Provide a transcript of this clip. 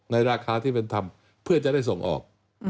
ราคาที่เป็นธรรมเพื่อจะได้ส่งออก